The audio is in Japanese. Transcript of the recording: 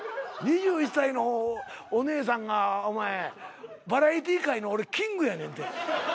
２１歳のお姉さんがお前バラエティー界の俺キングやねんて。